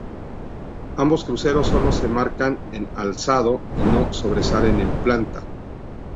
Ambos cruceros sólo se marcan en alzado y no sobresalen en planta.